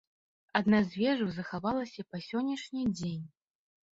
Адна з вежаў захавалася па сённяшні дзень.